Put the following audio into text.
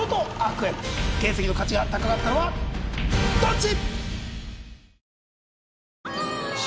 原石の価値が高かったのはどっち！